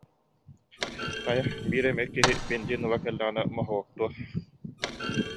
Хайа, биир эмэ киһи бензин ыла кэллэҕинэ моһуоктуо